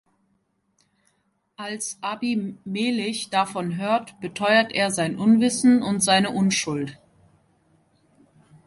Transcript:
Als Abimelech davon hört, beteuert er sein Unwissen und seine Unschuld.